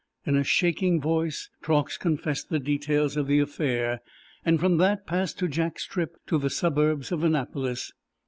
In a shaking voice Truax confessed the details of the affair and from that passed to Jack's trip to the suburbs of Annapolis.